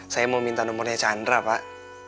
saya mau minta nomornya chandra pak